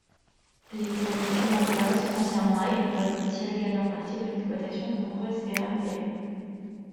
L'économie clémentoise, foncièrement agricole, tire également parti de l'exploitation de nombreuses érablières.